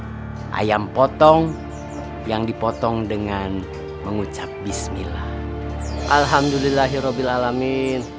bersari al ayam potong yang dipotong dengan mengucap bismillah alhamdulillahirobbilalamin